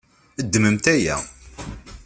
Ddmemt aya.